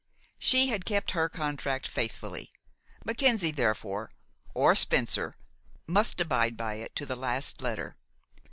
She had kept her contract faithfully: Mackenzie, therefore, or Spencer, must abide by it to the last letter.